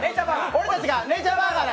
俺たちがネイチャーバーガーだ！